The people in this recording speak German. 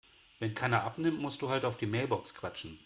Wenn keiner abnimmt, musst du halt auf die Mailbox quatschen.